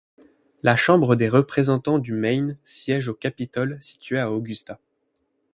La chambre des représentants du Maine siège au Capitole situé à Augusta.